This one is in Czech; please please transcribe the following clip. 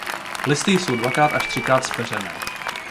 Listy jsou dvakrát až třikrát zpeřené.